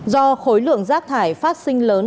do khối lượng rác thải phát sinh lớn